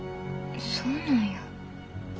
そうなんや。